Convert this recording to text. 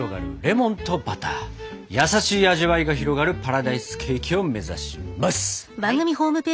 優しい味わいが広がるパラダイスケーキを目指します！